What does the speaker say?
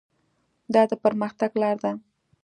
دا د پرمختګ لاره ده.